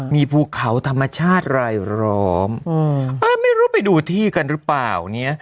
มีภูเขาธรรมชาติรายล้อมไม่รู้ไปดูที่กันหรือเปล่าเนี่ย